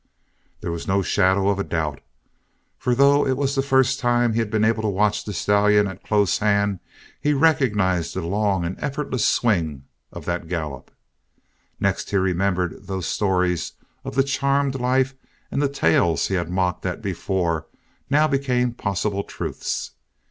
There was no shadow of a doubt, for though it was the first time he had been able to watch the stallion at close hand he recognized the long and effortless swing of that gallop. Next he remembered those stories of the charmed life and the tales he had mocked at before now became possible truths.